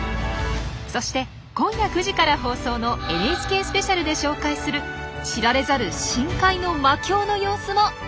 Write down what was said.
そして今夜９時から放送の「ＮＨＫスペシャル」で紹介する知られざる深海の魔境の様子も特別に先行公開しますよ。